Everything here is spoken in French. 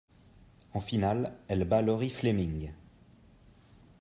En finale, elle bat Laurie Fleming.